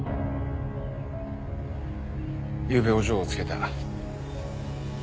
ゆうべお嬢をつけた。